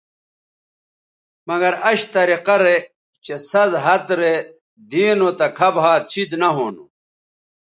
مگر اش طریقہ رے چہء سَز ھَت رے دی نو تہ کھب ھَات شید نہ ھونو